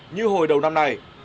như hồi đầu năm này